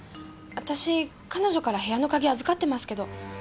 私彼女から部屋の鍵預かってますけど。